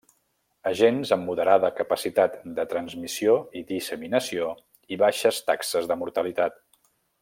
Agents amb moderada capacitat de transmissió i disseminació i baixes taxes de mortalitat.